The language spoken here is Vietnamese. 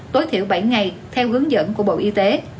tối thiểu bảy ngày theo hướng dẫn của bộ y tế